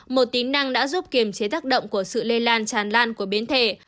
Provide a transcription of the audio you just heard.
một tính năng đã giúp kiềm chế tác động của sự lây lan tràn lan của biến thể